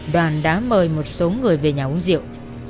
đoàn đã mời một số người về nhà uống rượu